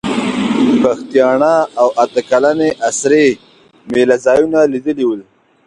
پښتیاڼا او اته کلنې اسرې مېله ځایونه لیدلي ول.